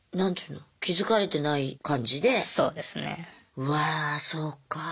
うわそうか。